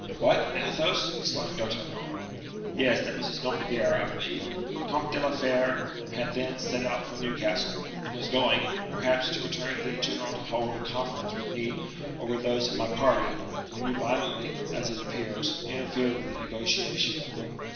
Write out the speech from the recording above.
"What, Athos!" exclaimed D'Artagnan. "Yes, that was his nom de guerre, I believe. The Comte de la Fere had then set out for Newcastle, and was going, perhaps, to bring the general to hold a conference with me or with those of my party, when you violently, as it appears, interfered with the negotiation."